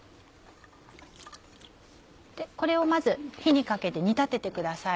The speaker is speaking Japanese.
これをまず火にかけて煮立ててください。